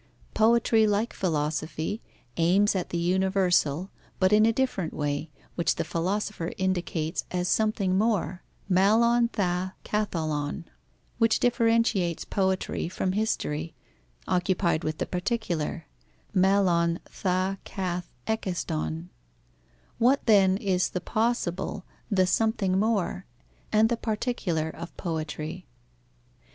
Poetry, like philosophy, aims at the universal, but in a different way, which the philosopher indicates as something more (mallon tha katholon) which differentiates poetry from history, occupied with the particular (malon tha kath ekaston). What, then, is the possible, the something more, and the particular of poetry?